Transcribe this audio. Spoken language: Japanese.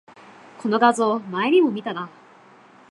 この画像、前にも見たな